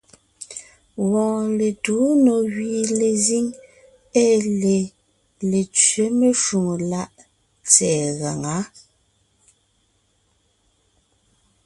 Wɔɔn letuu nò gẅie lezíŋ ée lê Letẅě meshwóŋè láʼ tsɛ̀ɛ gaŋá.